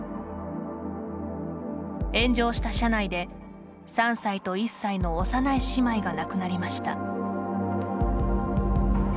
炎上した車内で３歳と１歳の幼い姉妹が亡くなりました。